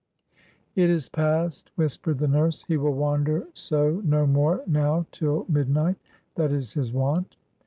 "It is past," whispered the nurse, "he will wander so no more now till midnight, that is his wont."